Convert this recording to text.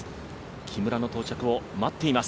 木村の到着を待っています。